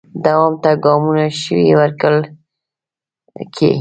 دوام ته ګامونو شوي ورکړل کې